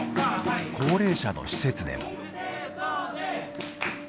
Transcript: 高齢者の施設でも。